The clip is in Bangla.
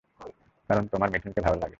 কারন তোমার মিঠুনকে ভালো লাগে।